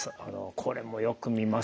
これもよく見ます。